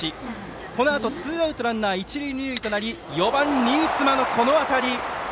このあとツーアウトランナー一塁二塁となり４番、新妻のこの当たり！